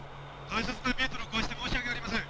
「大切なビートルを壊して申し訳ありません」。